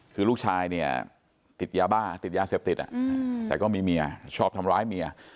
คือลูกชายเนี่ยติดยาบ้าติดยาเสพติดแต่ก็มีเมียชอบทำร้ายเมีย